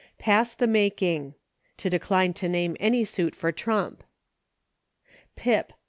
Pass the Making. To decline to name any suit for trump. Pip.